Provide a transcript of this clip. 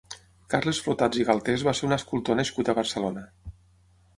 Carles Flotats i Galtés va ser un escultor nascut a Barcelona.